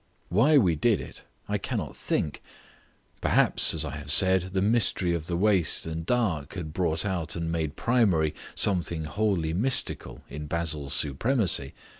Why we did it I cannot think; perhaps, as I have said, the mystery of the waste and dark had brought out and made primary something wholly mystical in Basil's supremacy.